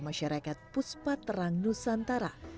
masyarakat puspa terang nusantara